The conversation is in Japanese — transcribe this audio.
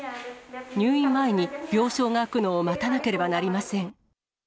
入院前に病床が空くのを待たなければなりません。